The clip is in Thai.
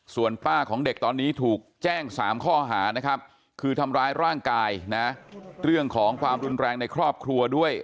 ส่วนป้าของเด็กตอนนี้ถูกแจ้ง๓ข้อหานะครับคือทำร้ายร่างกายนะเรื่องของความรุนแรงในครอบครัวด้วย